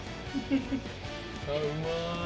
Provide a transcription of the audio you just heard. あっうまい。